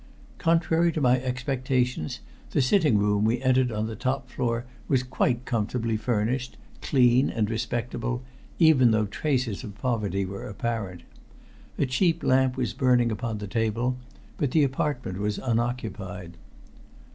Contrary to my expectations, the sitting room we entered on the top floor was quite comfortably furnished, clean and respectable, even though traces of poverty were apparent. A cheap lamp was burning upon the table, but the apartment was unoccupied.